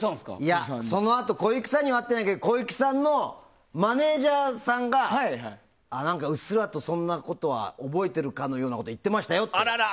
いや、そのあと小雪さんには会ってないけど小雪さんのマネジャーがうっすらとそんなことは覚えてるかのようなことは言っていましたよって。